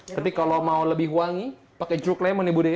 tapi kalau mau lebih wangi pakai jeruk lemon ya budi ya